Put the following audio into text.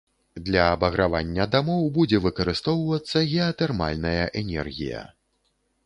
Для абагравання дамоў будзе выкарыстоўвацца геатэрмальная энергія.